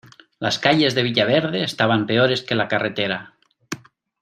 Las calles de villaverde estaban peores que la carretera.